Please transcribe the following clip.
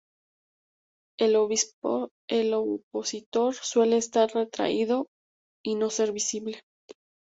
El ovipositor suele estar retraído y no ser visible.